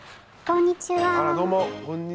こんにちは。